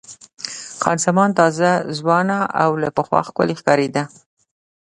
خان زمان تازه، ځوانه او له پخوا ښکلې ښکارېده.